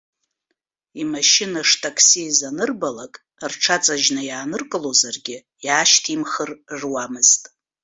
Имашьына штаксиз анырбалак, рҽаҵажьны иааныркылозаргьы, иаашьҭимхыр руамызт.